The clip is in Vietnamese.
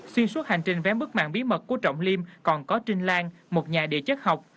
xuyên suốt hành trình vén bức mạng bí mật của trọng liêm còn có trinh lan một nhà địa chất học